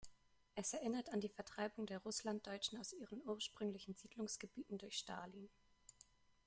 Es erinnert an die Vertreibung der Russlanddeutschen aus ihren ursprünglichen Siedlungsgebieten durch Stalin.